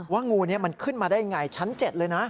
งูนี้มันขึ้นมาได้ยังไงชั้น๗เลยนะ